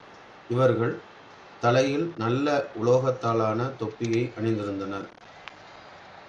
இவர்கள் தலையில் நல்ல உலோகத்தாலான தொப்பியை அணிந்திருந்தனர்.